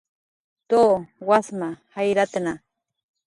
Tu, wasma jayratna